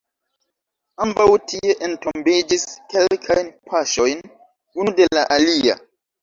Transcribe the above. Ambaŭ tie entombiĝis, kelkajn paŝojn unu de la alia.